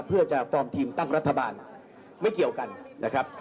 เพื่อจะฟอร์มทีมตั้งรัฐบาลไม่เกี่ยวกันนะครับ